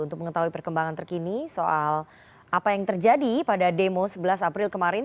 untuk mengetahui perkembangan terkini soal apa yang terjadi pada demo sebelas april kemarin